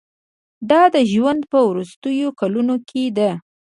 دا د ژوند په وروستیو کلونو کې ده.